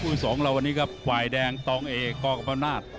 วันนี้ก็ไฟล์แดงต้องเอกกัมปนาศ